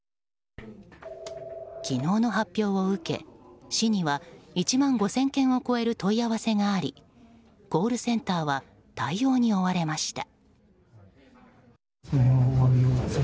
昨日の発表を受け、市には１万５０００件を超える問い合わせがありコールセンターは対応に追われました。